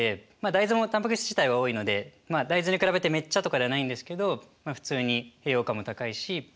大豆もたんぱく質自体は多いのでまあ大豆に比べてめっちゃとかではないんですけど普通に栄養価も高いし。